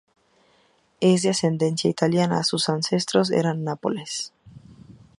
Es de ascendencia italiana, sus ancestros eran de Nápoles.